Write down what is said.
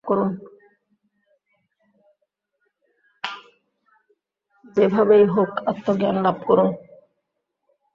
যেভাবেই হউক, আত্মজ্ঞান লাভ করুন।